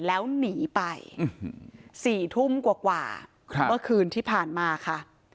แล้วหนีไป๔ทุ่มกว่าเมื่อคืนที่ผ่านมาค่ะ